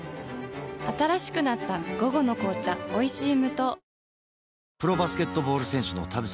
新しくなった「午後の紅茶おいしい無糖」